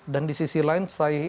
dan di sisi lain